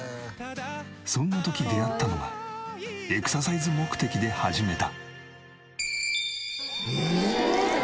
そんな時出会ったのがエクササイズ目的で始めた。